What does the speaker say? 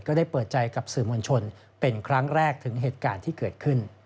ได้เปิดใจกับสื่อมวลชนเป็นครั้งแรกถึงเหตุการณ์ที่เกิดขึ้น